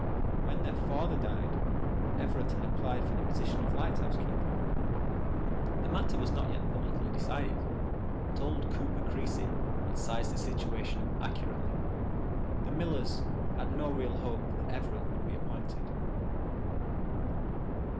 When their father died, Everett had applied for the position of lighthouse keeper. The matter was not yet publicly decided, but old Cooper Creasy had sized the situation up accurately. The Millers had no real hope that Everett would be appointed.